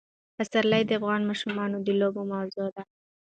پسرلی د افغان ماشومانو د لوبو موضوع ده.